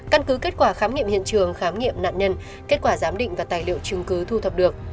căn cứ kết quả khám nghiệm hiện trường khám nghiệm nạn nhân kết quả giám định và tài liệu chứng cứ thu thập được